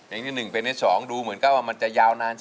เพลงที่เจ็ดเพลงที่แปดแล้วมันจะบีบหัวใจมากกว่านี้